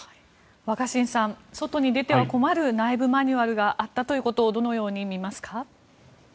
若新さん外に出ては困る内部マニュアルがあったということをどのように見ますか？